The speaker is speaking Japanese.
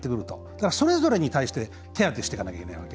だから、それぞれに対して手当てしていかなきゃいけない。